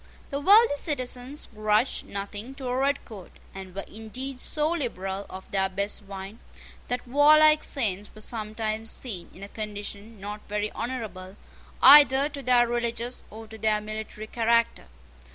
The wealthy citizens grudged nothing to a redcoat, and were indeed so liberal of their best wine, that warlike saints were sometimes seen in a condition not very honourable either to their religious or to their military character.